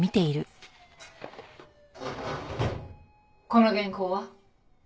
「この原稿は？」